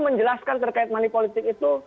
menjelaskan terkait manipolitik itu